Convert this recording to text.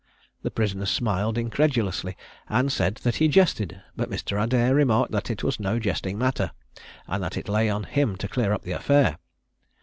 The prisoner smiled incredulously, and said that he jested; but Mr. Adair remarked that it was no jesting matter, and that it lay on him to clear up the affair.